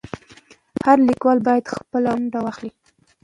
هر لیکوال باید خپله ونډه واخلي.